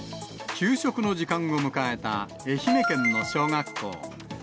給食の時間を迎えた愛媛県の小学校。